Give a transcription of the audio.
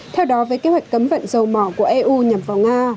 theo đó với kế hoạch cấm vận dầu mỏ của eu nhằm vào nga